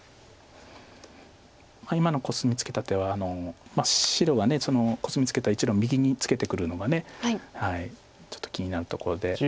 今のコスミツケた手は白がコスミツケた１路右にツケてくるのがちょっと気になるとこで。